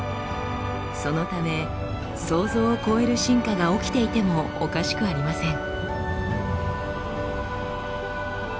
そのため想像を超える進化が起きていてもおかしくありません。